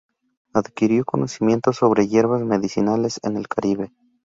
Adquirió conocimiento sobre hierbas medicinales en el Caribe.